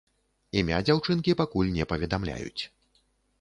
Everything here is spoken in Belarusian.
Імя дзяўчынкі пакуль не паведамляюць.